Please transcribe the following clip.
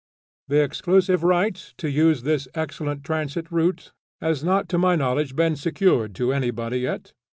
The exclusive right to use this excellent transit route has not, to my knowledge, been secured to anybody yet.